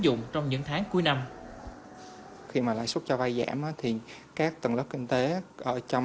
dụng trong những tháng cuối năm khi mà lãi suất cho vay giảm thì các tầng lớp kinh tế ở trong